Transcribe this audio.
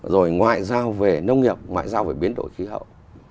rồi ngoại giao về nông nghiệp ngoại giao về biến đổi khí hậu